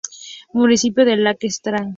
Municipio de Lake St.